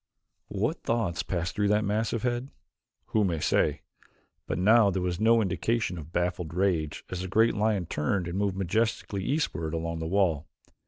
What thoughts passed through that massive head? Who may say? But now there was no indication of baffled rage as the great lion turned and moved majestically eastward along the wall.